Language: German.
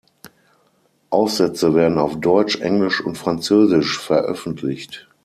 Aufsätze werden auf Deutsch, Englisch und Französisch veröffentlicht.